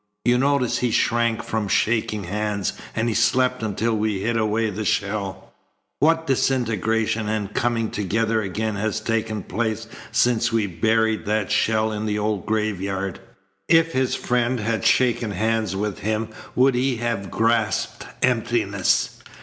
You notice he shrank from shaking hands, and he slept until we hid away the shell. What disintegration and coming together again has taken place since we buried that shell in the old graveyard? If his friend had shaken hands with him would he have grasped emptiness?